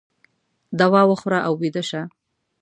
دوا د وخوره او ویده شه